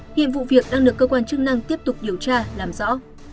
hiện vụ việc đang được cơ quan chức năng tiếp tục điều tra làm rõ